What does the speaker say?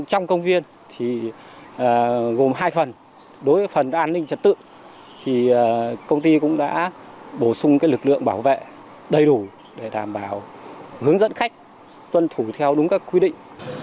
trong công viên gồm hai phần đối với phần an ninh trật tự thì công ty cũng đã bổ sung lực lượng bảo vệ đầy đủ để đảm bảo hướng dẫn khách tuân thủ theo đúng các quy định